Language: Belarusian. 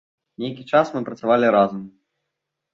Нейкі час мы працавалі разам.